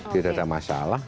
tidak ada masalah